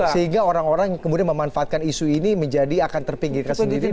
sehingga orang orang yang kemudian memanfaatkan isu ini menjadi akan terpinggirkan sendiri